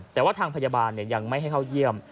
แต่ว่าทางพยาบาลเนี่ยยังไม่เข้าเยี่ยม